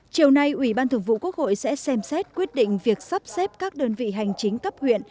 chiều nay ủy ban thường vụ quốc hội sẽ xem xét quyết định việc sắp xếp các đơn vị hành chính cấp huyện